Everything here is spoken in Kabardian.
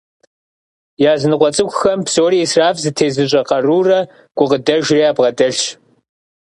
Языныкъуэ цӏыхухэм псори исраф зытезыщӏэ къарурэ гукъыдэжрэ ябгъэдэлъщ.